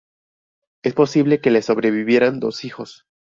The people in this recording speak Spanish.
Es posible que le sobrevivieran dos hijos.